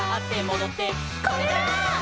「これだー！」